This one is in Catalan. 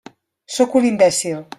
Sóc un imbècil.